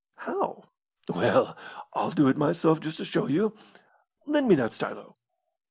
"How?" "Well, I'll do it myself just to show you. Lend me that stylo."